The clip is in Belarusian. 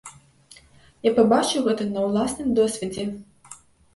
Я пабачыў гэта на ўласным досведзе.